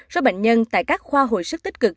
số bệnh nhân tại các khoa hồi sức tích cực